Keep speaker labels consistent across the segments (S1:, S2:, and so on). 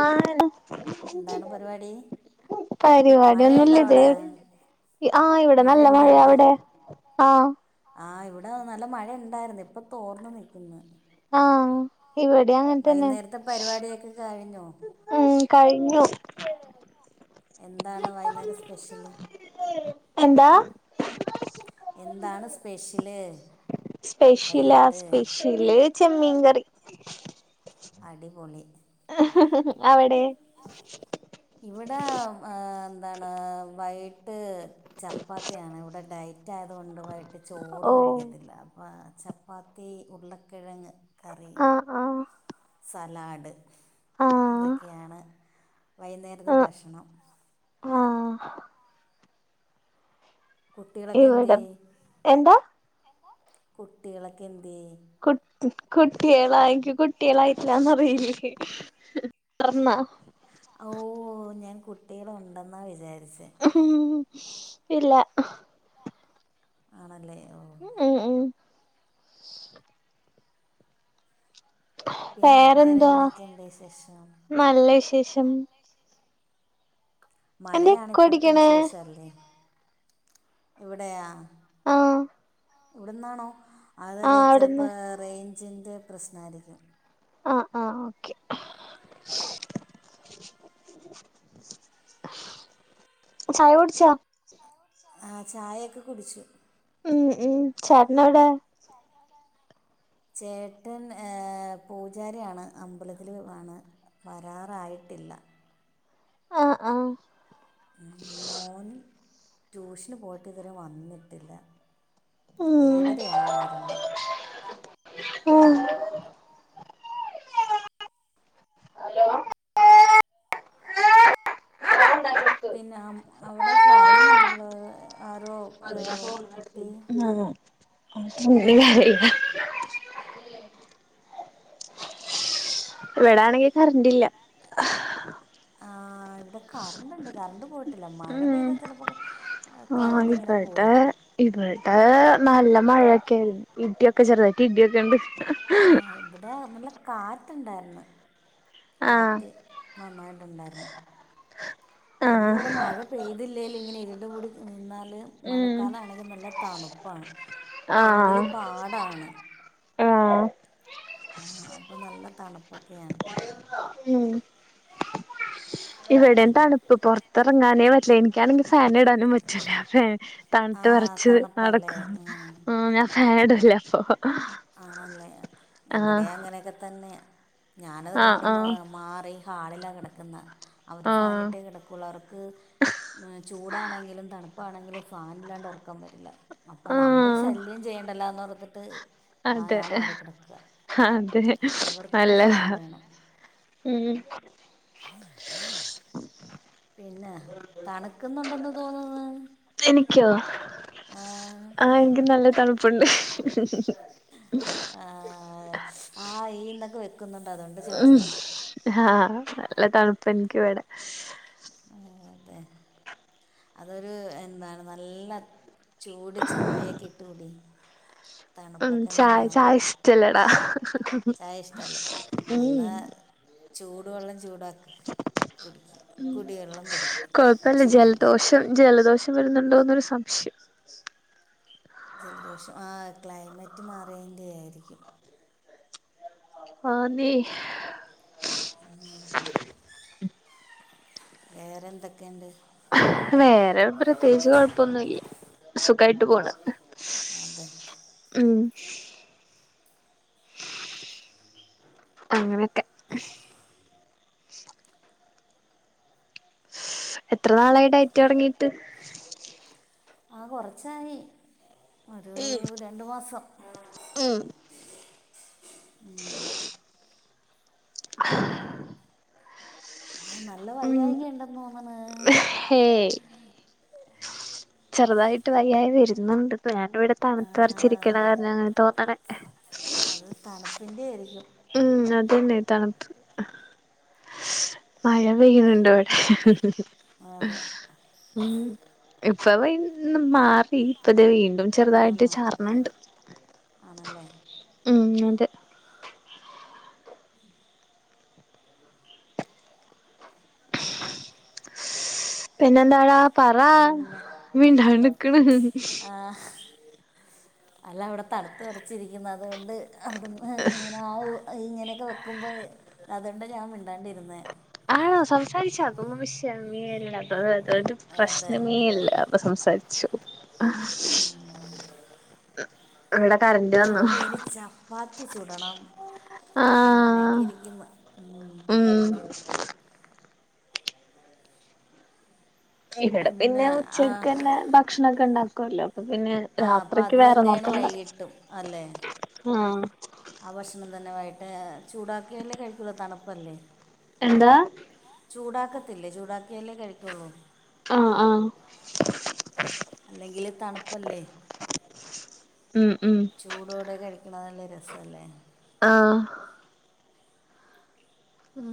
S1: ആ
S2: എന്താണ് പരിപാടി
S1: പരിപാടി ഒന്നുംല്ല
S2: മഴയുണ്ടോ അവിടെ
S1: ഇത- ആഹ ഇവിടെ നല്ല മഴയാ അവിടെ ആഹ-
S2: ആ ഇവിടെ നല്ല മഴ ഉണ്ടായിര് ന്ന് ഇപ്പൊ തോർന്നു നിൽക്കുന്ന
S1: ആഹ ഇവിടെ അങ്ങൻ തന്നെ
S2: വൈകുന്നേരത്തെ പരിപാടിയൊക്കെ കഴിഞ്ഞോ
S1: ഉം കഴിഞ്ഞു
S2: എന്താണ് വെയ്നേരം സ്‌പെഷ്യൽ
S1: എന്താ
S2: എന്താണ് സ്പെഷ്യല്
S1: സ്പെഷ്യലാ
S2: വൈകിട്ട്
S1: സ്പെഷ്യല് ചെമ്മീൻ കറി
S2: അടിപൊളി
S1: ഹ് ഹ് ഹ് അവിടെ
S2: ഇവടെ ഏ എന്താണ് വൈകിട്ട് ചപ്പാത്തിയാണ് ഇവിടെ ഡയറ്റ്- റ്റായത് കൊൊണ്ട് വൈകിട്ട് ചോറ്
S1: ഓ
S2: കഴിക്കത്തില്ല അപ്പൊ ചപ്പാത്തി ഉരക്കിഴങ്ങ് കറി
S1: ആ ആ
S2: സലാഡ്
S1: ആ
S2: ഇതൊക്കെയാണ്- വെയ്നേരതെ ഭക്ഷണം
S1: ആഹ
S2: കുട്ടികളൊക്കെ
S1: ഇവിടെം
S2: എന്തിയേ
S1: എന്താ
S2: കുട്ടികളൊക്കെ എന്ത്-
S1: കുട്ടിഉം കുട്ടികളായിങ്ക കുട്ടികളായിട്ടില്ലാന്നറിയില്ല മറന്നാ
S2: ഓ ഞാൻ കുട്ടികള് ഉണ്ടെന്നാ വിചാരി-
S1: ഉം ഇല്ല
S2: ആണല്ലേ ഓ
S1: ഉം ഉ
S2: പിന്നെ
S1: വേറെന്തുവാ
S2: വേറെയെന്തൊക്കെയുണ്ടുവിശേഷം
S1: നല്ല വിശേഷം എന്താ എക്കോ
S2: മഴയാണിപ്പോളത്തെ
S1: അടിക്കണേ
S2: വിശേഷല്ലേ, ഇവിടെയാ
S1: ഓ
S2: ഇവിടെന്നാണോ അത് രേ ചിലപ്പോ റേഞ്ചിന്റെ പ്രശ്നായിരിക്കും
S1: ആ.. ആ.. ഓക്കെ ചായകുടിച്ചോ?
S2: ആ... ചായയൊക്കെ കുടിച്ചു.
S1: ഉം.. ഉം.. ചേട്ടനെവിടെ
S2: ചേട്ടൻ ഏ... പൂജാരിയാണ് അമ്പലത്തിൽ ആണ് വരാറായിട്ടില്ല.
S1: അ... ആ
S2: മോന് ട്യൂഷനുപോയിട്ടിതുവരെ വന്നിട്ടില്ല.
S1: ഉം
S2: ഏഴരയാവും വരുമ്പം
S1: ഉം ഹലോ
S2: പിന്നെ അവിടെൊക്കെ കരയുന്നുണ്ടല്ലോ ആരോ ഏ കുട്ടി
S1: പിന്നെവയ്യ ഇവിടാണെങ്കി, കരണ്ടില്ല
S2: ആ ഇവിടെകറണ്ടുണ്ട്. കറണ്ടുപോയിട്ടി
S1: ഉം.. ഉം.. [inaudible] ആ
S2: കറണ്ട് ഇങ്ങനെ
S1: ഇവടേ
S2: പോവും
S1: ഇവടേ നല്ല മഴയൊക്കെയായി ഇടിയൊക്കെ ചെറുതായി ഇടിയൊക്കെയുണ്ട്
S2: ആ... ഇവിടെനല്ല കാറ്റു ണ്ടായിരുന്നു
S1: ആഹ്
S2: കാറ്റ് നന്നായിട്ടുണ്ടായിരുന്നു പിന്നെയിവിടെ
S1: ആഹ്
S2: മഴ പെയ്തില്ലേലുമിങ്ങനെ യിരുണ്ടുകൂടി നിന്നാൽ
S1: ഉം
S2: മഴക്കാലമാണെങ്കിൽ നല്ല തണുപ്പാണ്.
S1: ആഹ്
S2: ഫ്രണ്ടിലുപാടാണ്
S1: ആഹ്
S2: ആഹ, അപ്പൊനല്ല തണുപ്പൊക്കെയാണ്.
S1: ഉം.. ഇവിടേംതണു ഇപ്പൊ, പുറത്തിറങ്ങാനേ പറ്റില്ല. എനിക്കാണെങ്കിൽ ഫാനിടാനും പറ്റൂല
S2: ആ
S1: തണുത്തുവിറച്ച് നട
S2: തണുപ്പല്ലേ ഉം.
S1: ആ ഞാൻഫാനിടില്ല
S2: ആണല്ലേ,
S1: ആഹ്
S2: ഇവിടയും അ ങ്ങനെയൊക്കെ തന്നെ
S1: ആഹ്
S2: ഞാനതുകണ്ടു മാ...
S1: ആഹ്
S2: മാറി ഹാളിലാകിടക്കുന്നെ
S1: ആഹ്
S2: അവരുഫാനിട്ടേ കിടക്കുകയുള്ളൂ. അവർക്ക്ചൂടാണെങ്കിലും തണുപ്പ് ഇപ്പാണെങ്കിൽ ഫാനി ല്ലാണ്ടുറക്കം വരില്ല.
S1: ആഹ്
S2: അപ്പൊനമ്മളുശല്ല്യം ചെയ്യണ്ടല്ലോ ന്നോർത്തിട്ട്.
S1: അതെ.. അതെ.. അതെ
S2: അവർക്ക്
S1: നല്ലതാ.
S2: ഫാൻ വേണം
S1: ഉം..
S2: പിന്നെ തണുക്കുന്നുണ്ടെന്നുതോന്നുന്ന്
S1: എനിക്കോ, അ എനിക്ക് നല്ലതണുപ്പുണ്ട്
S2: ആ... ആ.. ഈ.. നൊക്കെ വരു
S1: ഉം.. ആ.. നല്ലതണുപ്പ് എനിക്കിവിടെ
S2: അതെ അതൊരു എന്താണുനല്ല ചൂടുചായയൊക്കെ ഇട്ടു കുടി
S1: ഉം...
S2: തണുപ്പൊക്കെ അങ്ങ്
S1: ചായ,
S2: മാറും
S1: ചായ ഇഷ്ട്ടല്ലെ ടാ
S2: ചായ ഇഷ്ടമല്ലേ
S1: ഉം...
S2: എന്നാൽ ചൂടുവെള്ളം ചൂടാക്കി
S1: ഉം..
S2: കുടി
S1: കൊഴപ്പമില്ല
S2: ചൂടാക്കി
S1: ജലദോഷം, ജലദോഷം വരുന്നുണ്ടോന്ന് എന്നൊരു സംശയം
S2: ജലദോഷം, ആ... ക്ലൈമറ്റുമാറിയേന്റെ യായിരിക്കും.
S1: ആന്നേ
S2: വേറെ എന്തൊക്കെയുണ്ട്.
S1: വേറെ പ്രത്യേകിച്ച് കൊഴപ്പൊന്നുമില്ല സുഖായിട്ട് പോണ്
S2: അതെ
S1: ഉം അങ്ങനെയൊക്കെ എത്ര നാളായി ഡയറ്റ് തുടങ്ങീട്ട്
S2: ആ കൊറച്ചായി ഒരു രണ്ടു മാസം മ്മ് മ്മ്
S1: ആ
S2: ആ നല്ല വയ്യായ്ക ഇണ്ടന്ന് തോന്നന്ന്
S1: ഹേയ് ചെറുതായിട്ട് വയ്യായിക വരുന്നുണ്ട് ഞാനിവിടെ തണുത്തു വെറ ച്ചിരിക്കണ കാരണ
S2: ആ,
S1: അങ്ങനെ തോന്നണെ
S2: അത് തണുപ്പിന്റെ ആയിരിക്കും
S1: അന്നതന്നെ തണുപ്പ മഴ പെയ്യുന്നുണ്ട് ഇവിടെ
S2: അതെ
S1: ഉ ഇപ്പ മാറി
S2: ഒന്ന്
S1: ഇപ്പത വീണ്ടു വീണ്ടും ചെറുതായിട്ട്
S2: വീണ്ടും
S1: ചാർണണ്ട്
S2: ആണല്ലേ
S1: ഉം അതെ പിന്നെന്താടാ പറാ
S2: പിന്നെ
S1: മിണ്ടാണ്ട് നിക്കണ്
S2: ആഹ് അല്ല അവിടെ തണുത്ത വറച്ചിരിക്കുന്നു അതുകൊണ്ട് അവിടുന്ന് ഇങ്ങനെ ആവൂ ഇങ്ങനെയൊക്കെ വെക്കുമ്പോൾ അതുകൊണ്ടഞാൻ മിണ്ടാണ്ടിരുന്നത്
S1: ആണോ സംസാരി അത വിഷയമേ അല്ല അതൊരു
S2: അതെ
S1: പ്രശ്നമേല്ല അപ്പൊ സംസാരിച്ചു ഇവിടെ കറണ്ട് വന്നു
S2: നി ചുടാണം അങ്ങനെയൊക്കെ
S1: ആഹ്
S2: ഇരിക്കുന്ന്
S1: ഉം ടെ പിന്നെ ഉച്ചക്ക് തന്നെ ഭക്ഷണൊക്കെ ഉണ്ടാക്കോലോ പിന്നെ
S2: ആഹ് അപ്പം
S1: രാത്രിക്ക്
S2: അത്
S1: വേറെ
S2: തന്നെയാണ്
S1: നോക്കണ്ട
S2: വൈകിട്ടും അല്ലേ
S1: ആ
S2: ആ ഭക്ഷണം തന്നെ ആയിട്ട് ചൂടാക്കിയല്ലേ [unintelligible] തണുപ്പല്ലേ
S1: എന്താ?
S2: ചൂടാക്കത്തില്ലേ, ചൂടാക്കിയല്ലേ കഴിക്കുള്ളൂ.
S1: ആഹ് ആഹ്
S2: അല്ലെങ്കില് തണുപ്പല്ലേ?
S1: ഉം ഉം
S2: ചൂടോടെ കഴിക്കണ നല്ല രസല്ലേ?
S1: ആ ഉം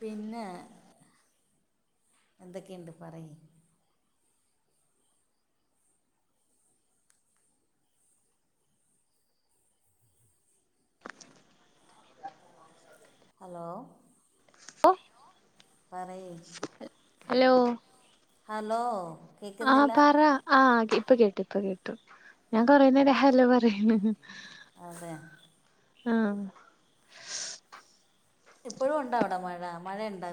S2: പിന്നെ എന്തൊക്കെയുണ്ട് പറയ് ഹലോ പറയ്
S1: ഹലോ
S2: ഹലോ
S1: ആഹ
S2: കേൾക്കുന്നില്ല
S1: പറാ ആ ഇപ്പൊ [unintelligible] ഇപ്പൊ കേട്ടു ഞാൻ കൊറെ നേരം ഹലോ പറയാണ്
S2: അതെ
S1: ആ
S2: ഇപ്പോഴും ഉണ്ടാ അവിടെ മഴ മഴയുണ്ട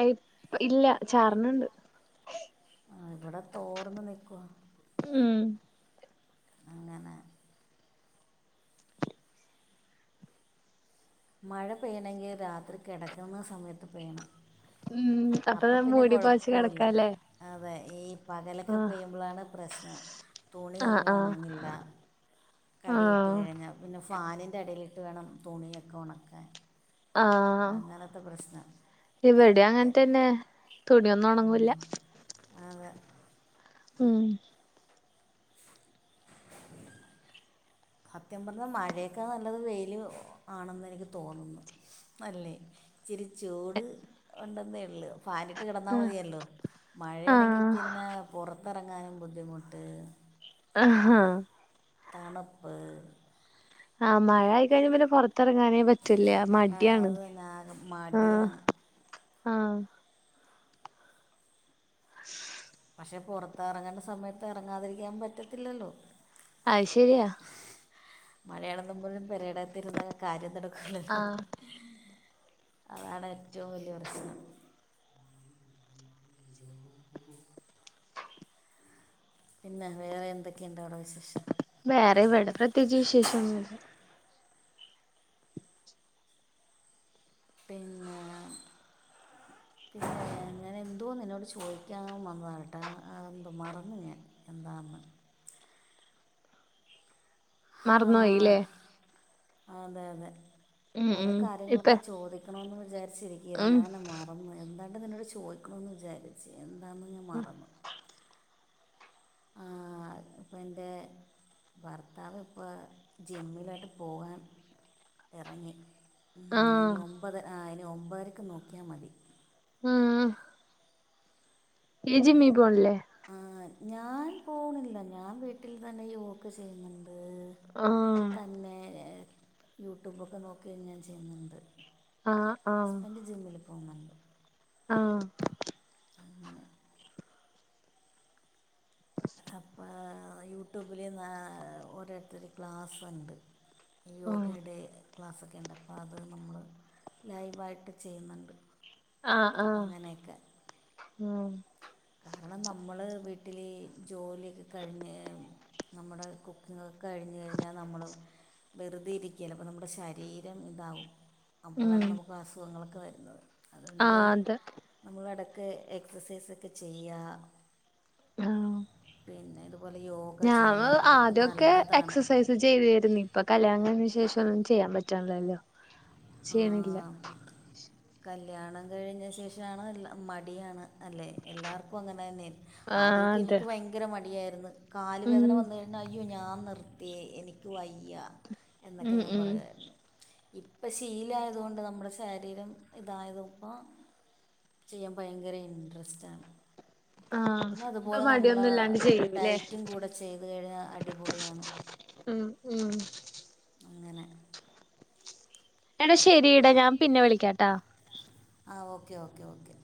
S1: ഏയ് [unintelligible] ഇല്ല ചാർന്നണ്ട്
S2: ഇവിടെ തോർന്നു നിൽക്കുവ
S1: ഉം
S2: അങ്ങനെ മഴ പെയ്യാണെങ്കിൽ രാത്രി കിടക്കുന്ന സമയത്ത് പെയ്യണം.
S1: ഉം അപ്പൊ
S2: അപ്പം പിന്നെ
S1: മൂടി പുതച്ചു
S2: കുഴപ്പമില്ല
S1: കിടക്കല്ലേ,
S2: അതെ ഈ പകലൊക്കെ പെയ്യുമ്പോഴാണ് പ്രശ്നം
S1: ആഹ്
S2: തുണിയൊന്നും
S1: ആഹ്
S2: ഉണങ്ങില്ല. കഴുകിയിട്ട്
S1: ആഹ്
S2: കഴിഞ്ഞാൽ പിന്നെ ഫാനിൻ്റെ അടിയിൽ ഇട്ട് വേണം തുണിയൊക്കെ ഉണക്കാൻ.
S1: ആ
S2: അങ്ങനത്തെ പ്രശ്നം
S1: ഇവിടെ അങ്ങനെ തന്നെ തുണി [unintelligible] [unintelligible] ഉണങ്ങുല്ല
S2: അതെ.
S1: ഉം [inaudible]
S2: സത്യം പറഞ്ഞാ മഴയേക്കാൾ നല്ലത് വെയിൽ ആണെന്ന് എനിക്ക് തോന്നുന്നു. അല്ലേ? ഇച്ചിരി ചൂട് ഉണ്ടെന്നേ [unintelligible] ഫാൻ ഇട്ട് കിടന്നാൽ
S1: ആഹ്
S2: മതിയല്ലോ മഴയാണെങ്കിൽ പിന്നെ പുറത്ത് [inaudible] ഇറങ്ങാനും ബുദ്ധിമുട്ട്.
S1: ആഹാ
S2: തണുപ്പ്,
S1: ആ മഴ ആയി കഴിഞ്ഞ പിന്നെ പുറത്ത് പുറത്തിറങ്ങനെ പറ്റില്ല
S2: ആ
S1: മടിയാണ്
S2: അത് തന്നെ ആകെ
S1: ആ
S2: മടിയാണ്
S1: ആ. [inaudible]
S2: പക്ഷേ പുറത്ത് ഇറങ്ങേണ്ട സമയത്ത് ഇറങ്ങാതിരിക്കാൻ പറ്റില്ലല്ലോ?
S1: അത് ശരിയാ.
S2: മഴയാണെന്ന് പറഞ്ഞു പെരടത്തിരുന്ന കാര്യം നടക്കൂല്ലല്ലോ.
S1: ആഹ്
S2: അതാണ് ഏറ്റവും വലിയ പ്രശ്നം. പിന്നെ വേറെ എന്തൊക്കെഉണ്ട് അവിടെ വിശേഷം?
S1: വേറെ ഇവിടെ പ്രത്യേകിച്ചു വിശേഷം ഒന്നുവില്ല.
S2: പിന്ന പിന്നെ ഞാൻ എന്തോ നിന്നോട് ചോദിക്കാൻ വന്ന കേട്ടാ എന്തോ മറന്ന് ഞാൻ എന്താണെന്ന്.
S1: [inaudible]
S2: ഹാ
S1: മറന്നു പോയില്ലേ?
S2: അതെ അതെ കുറെ
S1: ഉം ഇപ്പ
S2: കാര്യങ്ങളൊക്കെ ചോദിക്കണമെന്ന് വിചാരിച്ച ച്ച്ഇരിക്കുയിരുന്നു
S1: ഉം
S2: ഞാന് മറന്ന് എന്താണ്ട് നിന്നോട് ചോദിക്കണന്ന് വിചാരിച്ച് എന്താന്ന് ഞാൻ മറന്നു. ഇപ്പ എന്റെ ഭർത്താവ് ഇപ്പ ജിമ്മിലാട്ട് പോകാൻ ഇറങ്ങി ഉം
S1: ആഹ്
S2: ഇനി ഒമ്പത് ആ ഇനി ഒമ്പതരക്ക് നോക്കിയാ മതി.
S1: ആ നീ ജിമ്മി പോണില്ലേ?
S2: ആ, ഞാൻ പോണില്ല ഞാൻ വീട്ടിൽ തന്നെ യോഗ ചെയ്യുന്നുണ്ട്.
S1: ആഹ്
S2: തന്നെ യൂട്യൂബൊക്കെ നോക്കി ഞാൻ ചെയ്യുന്നുണ്ട്.
S1: ആ ആ.
S2: പോവുന്നുണ്ട്.
S1: ആ.
S2: അങ്ങനെ അപ്പം യൂട്യൂബിൽ ഓരോരുത്തര് ക്ലാസുണ്ട്
S1: ഉം
S2: യോഗയുടെ ക്ലാസ്സൊക്കെ ഇണ്ട് അപ്പോ അത് നമ്മൾ ലൈവായിട്ട് ചെയ്യുന്നുണ്ട്.
S1: ആ ആ
S2: അങ്ങനെയൊക്കെ
S1: ആ
S2: കാരണം നമ്മള് വീട്ടിൽ ജോലിയൊക്കെ കഴിഞ്ഞ് നമ്മുടെ കുക്കിങ് കഴിഞ്ഞു കഴിഞ്ഞാ നമ്മൾ വെറുതെ ഇരിക്കുവല്ലേ അപ്പോൾ നമ്മുടെ ശരീരം ഇതാവും
S1: ഉം
S2: അപ്പോളാണ് നമുക്ക് അസുഖങ്ങളൊക്കെ വരുന്നത് അതുകൊണ്ട്
S1: ആഹ് അതെ
S2: നമ്മൾ ഇട ക്കെ എക്സസൈസൊക്കെ ചെയ്യ
S1: ആ
S2: യോഗ
S1: ഞാന്
S2: ചെയ്യുക അതൊക്കെ
S1: ആദ്യൊക്കെ
S2: നല്ലതാണ്
S1: എക്സസൈസ് ചെയ്തുരുന്നു ഇപ്പൊ കല്യാണം കഴിഞ്ഞ ശേഷം ഒന്നും ചെയ്യാൻ പറ്റണില്ലല്ലോ ചെയ്യണില്ല.
S2: കല്ല്യാണം കഴിഞ്ഞ ശേഷമാണ് എല്ല മടിയാണ്. അല്ലെ എല്ലാർക്കും അങ്ങനെ തന്നെ
S1: ആഹ്
S2: ആദ്യമൊക്കെ
S1: അതെ
S2: എനിക്ക് ഭയങ്കര മടിയാരുന്നു. കാലു
S1: ഉം
S2: വേദന വന്ന് കഴിഞ്ഞാൽ അയ്യോ ഞാൻ നിർത്തി എനിക്ക് വയ്യ. എന്നൊക്കെ
S1: ഉം
S2: ഞാൻ
S1: ഉം
S2: പറയുവായിരുന്നു ഇപ്പൊ ശീലായതു കൊണ്ട് നമ്മുടെ ശരീരം ഇതായത് ഇപ്പം ചെയ്യാൻ ഭയങ്കര ഇൻട്രസ്റ്റാണ്
S1: ആഹ്
S2: പിന്നെ
S1: ഇപ്പൊ
S2: അതുപോലെ നമ്മള്
S1: മടിയൊന്നും ഇല്ലാണ്ട് ചെയ്യൂല്ലേ
S2: ഡയറ്റും കൂടെ ചെയ്ത് കഴിഞ്ഞാ അടിപൊളിയാണ്
S1: ഉം ഉം
S2: അങ്ങനെ
S1: എടാ ശരിടാ ഞാൻ പിന്നെ വിളിക്കാട്ടാ
S2: ആ ഓക്കേ ഓക്കേ ഓക്കേ